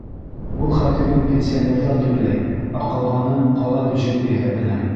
— Был хәтлемен пенсионерҙар түләй, ә ҡалғаны — ҡала бюджеты иҫәбенән.